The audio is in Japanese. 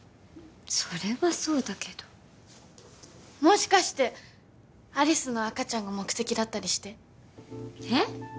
それはそうだけどもしかして有栖の赤ちゃんが目的だったりしてえっ！？